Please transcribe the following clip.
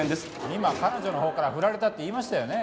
今彼女のほうから振られたって言いましたよね？